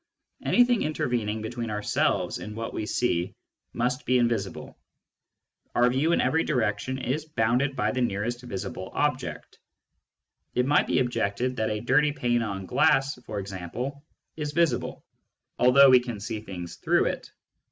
Anything intervening between ourselves and what we see must be invisible : our view in every direction is bounded by the nearest visible object. It might be objected that a dirty pane of glass, for example, is visible although we can see things through it.